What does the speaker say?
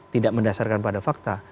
tidak mendasarkan pada fakta